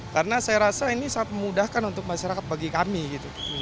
karena saya rasa ini sangat memudahkan untuk masyarakat bagi kami gitu